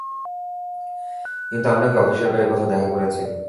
কিন্তু আমরা কি অফিসের বাইরে কোথাও দেখা করেছি?